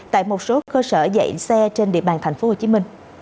tại một số cơ sở dạy xe trên địa bàn tp hcm